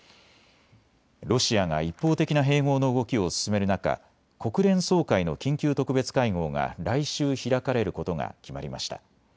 ロシアが一方的な併合の動きを進める中、国連総会の緊急特別会合が来週、開かれることが決まりました。